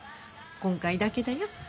今回だけだよ。